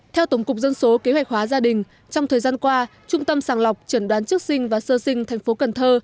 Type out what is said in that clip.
theo tổng cục dân số kế hoạch hóa gia đình trong thời gian qua trung tâm sàng lọc trần đoán trước sinh và sơ sinh thành phố cần thơ